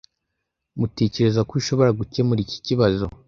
Mutekereza ko ushobora gukemura iki kibazo?